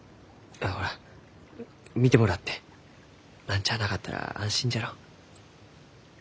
ほら診てもらって何ちゃあなかったら安心じゃろ？